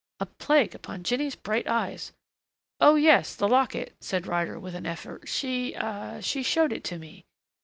A plague upon Jinny's bright eyes! "Oh, yes, the locket," said Ryder with an effort. "She ah she showed it to me."